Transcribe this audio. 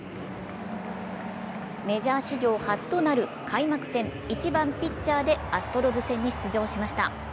メジャー史上初となる開幕戦１番・ピッチャーでアストロズ戦に出場しました。